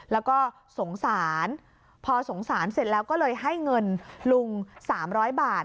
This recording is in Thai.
แล้วก็สงสารพอสงสารเสร็จแล้วก็เลยให้เงินลุง๓๐๐บาท